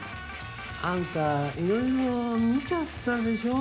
あんたいろいろ見ちゃったでしょ？